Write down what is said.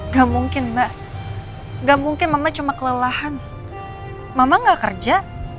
gak mungkin mbak gak mungkin mama cuma kelelahan mama gak kerja